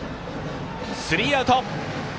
スリーアウト。